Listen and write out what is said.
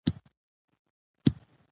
هغه ورځ چې باران و، سړه وه.